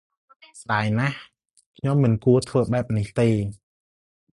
ស្តាយណាស់ ខ្ញុំមិនគួរធ្វើបែបនេះទេ ។